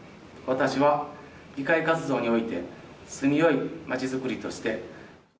私は議会活動において住みよい町づくりとして。